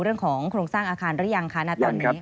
เรื่องของโครงสร้างอาคารหรือยังคะณตอนนี้